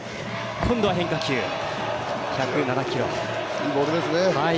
いいボールですね。